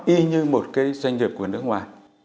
y như một cái doanh nghiệp của nước ngoài